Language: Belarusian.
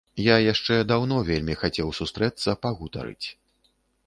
Я яшчэ даўно вельмі хацеў сустрэцца, пагутарыць.